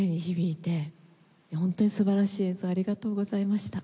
本当に素晴らしい演奏をありがとうございました。